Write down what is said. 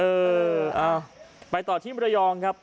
เออเอาไปต่อที่มรยองครับ